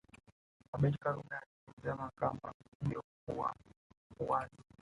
Abeid Karume alieleza mahakama hiyo kwa uwazi